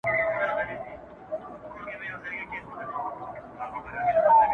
د مرحوم ميوندوال سياسي پوهه